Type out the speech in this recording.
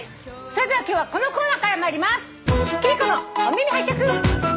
それでは今日はこのコーナーから参ります。